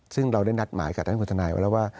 ซึ่งเราได้นัดหมายกับด้านคุณทนายว่า